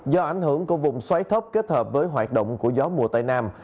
do ảnh hưởng của vùng xoáy thấp kết hợp với hoạt động của gió mùa tây nam